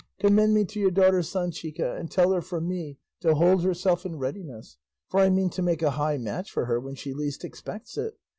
Commend me to your daughter Sanchica, and tell her from me to hold herself in readiness, for I mean to make a high match for her when she least expects it.